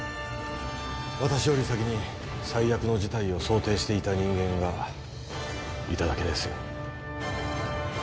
私より先に最悪の事態を想定していた人間がいただけですよ